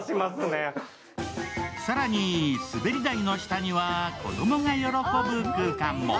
更に、滑り台の下には子供が喜ぶ空間も。